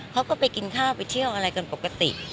เขาก็ไปกินข้าวไปเที่ยวอะไรกันปกติ